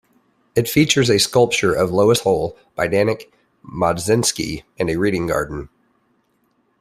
It features a sculpture of Lois Hole by Danek Mozdzenski and a reading garden.